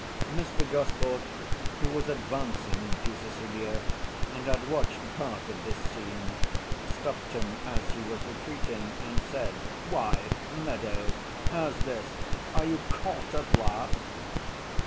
Mr. Gosport, who was advancing to Cecilia and had watched part of this scene, stopped him as he was retreating, and said, "Why, Meadows, how's this? are you caught at last?"